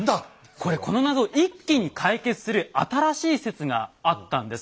これこのナゾを一気に解決する新しい説があったんです。